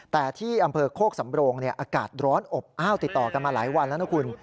แต่ที่อำเภอโคกสำโรงอากาศร้อนอบอ้าวติดต่อกันมาหลายวันแล้วนะคุณ